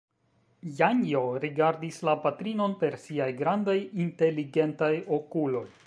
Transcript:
Janjo rigardis la patrinon per siaj grandaj inteligentaj okuloj.